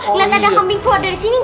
lihat ada kambing keluar dari sini gak